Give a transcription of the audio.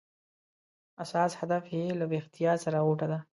اساس هدف یې له ویښتیا سره غوټه ده.